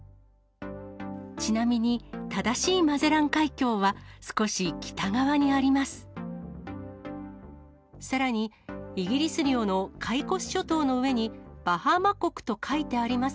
ちなみに正しいマゼラン海峡は、少し北側にあります。